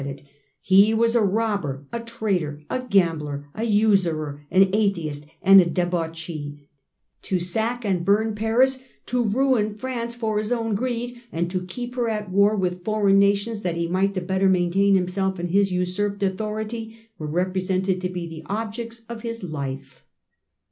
eluded* 8 crec ^ fc > was a r °bk er > a traitor, a gambler, a usurer, an atheist, and a debauchee ; to sack and bum Paris, to ruin France for his own greed, and to keep her at war with foreign nations that he might the better maintain himself in his usurped authority, were represented to be the objects of his life.